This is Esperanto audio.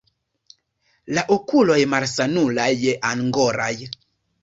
La okuloj malsanulaj, angoraj.